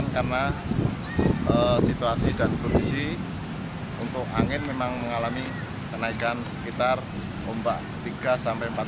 karena situasi dan kondisi untuk angin memang mengalami kenaikan sekitar ombak tiga empat meter